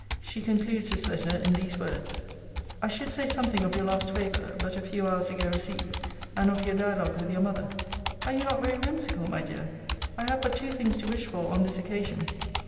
She concludes this letter in these words:] I should say something of your last favour (but a few hours ago received) and of your dialogue with your mother Are you not very whimsical, my dear? I have but two things to wish for on this occasion.